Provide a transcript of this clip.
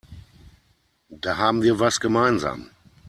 Da haben wir was gemeinsam.